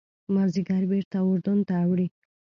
مازیګر بېرته اردن ته اوړي.